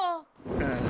うん。